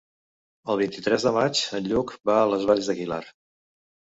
El vint-i-tres de maig en Lluc va a les Valls d'Aguilar.